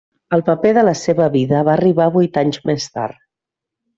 El paper de la seva vida va arribar vuit anys més tard.